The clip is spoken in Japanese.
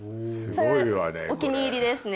それお気に入りですね。